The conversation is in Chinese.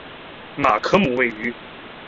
马克姆位于。